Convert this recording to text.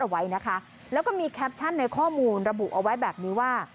เอาไว้นะคะแล้วก็มีแคปชั่นในข้อมูลระบุเอาไว้แบบนี้ว่า